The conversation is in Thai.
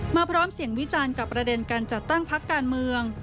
พร้อมเสียงวิจารณ์กับประเด็นการจัดตั้งพักการเมือง